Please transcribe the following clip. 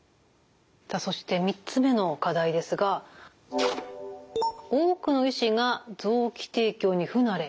そして３つ目の課題ですが多くの医師が臓器提供に不慣れ。